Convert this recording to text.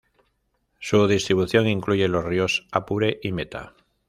Su distribución incluye los ríos Apure y Meta.